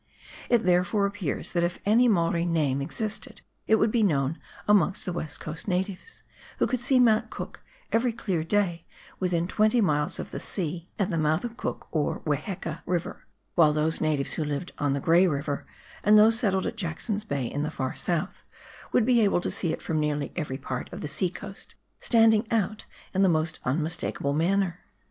It therefore appears that if any Maori name existed it would be known amongst the West Coast natives, who could see Mount Cook every clear day within twenty miles of the sea at the mouth of Cook (or Weheka) River, while those natives who lived on the Grey River, and those settled at Jackson's Bay in the far south, would be able to see it from nearly every part of the sea coast, standing out in the most unmistakable manner.